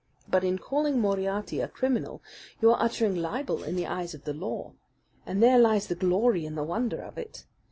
But in calling Moriarty a criminal you are uttering libel in the eyes of the law and there lie the glory and the wonder of it!